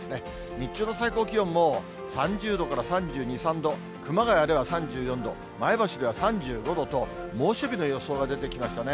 日中の最高気温も３０度から３２、３度、熊谷では３４度、前橋では３５度と、猛暑日の予想が出てきましたね。